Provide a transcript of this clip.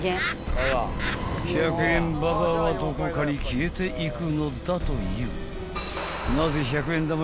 ［１００円ババアはどこかに消えていくのだという］